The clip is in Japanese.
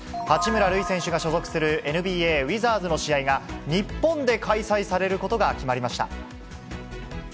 八村塁選手が所属する、ＮＢＡ・ウィザーズの試合が日本で開催されることが決まりました。